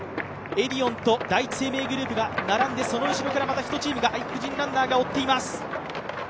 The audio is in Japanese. エディオンと第一生命グループが並んで、その後ろからまた１チームが外国人ランナーが追っています。